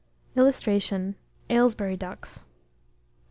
[Illustration: AYLESBURY DUCKS.